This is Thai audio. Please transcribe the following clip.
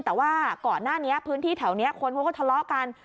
แต่ว่าก่อนหน้านี้พื้นที่แถวนี้คนเขาก็ทะเลาะกัน